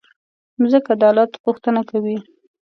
مځکه د عدالت غوښتنه کوي.